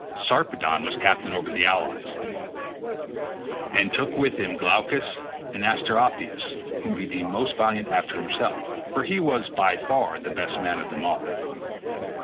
Sarpedon was captain over the allies, and took with him Glaucus and Asteropaeus whom he deemed most valiant after himself—for he was far the best man of them all.